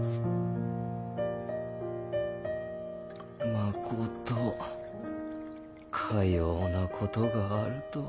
まことかようなことがあるとは。